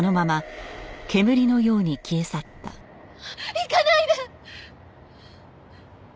行かないで！